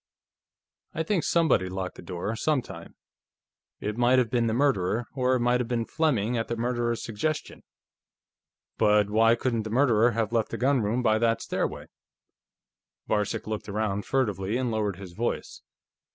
"I think somebody locked the door, sometime. It might have been the murderer, or it might have been Fleming at the murderer's suggestion. But why couldn't the murderer have left the gunroom by that stairway?" Varcek looked around furtively and lowered his voice.